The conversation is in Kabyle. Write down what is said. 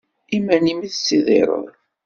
Iman-im i tettidireḍ?